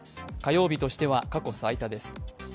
火曜日としては過去最多です。